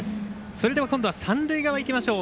それでは今度は三塁側いきましょう。